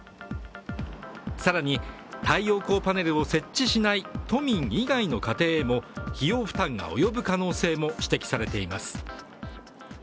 更に、太陽光パネルを設置しない都民以外の家庭へも費用負担が及ぶ可能性も指摘されています。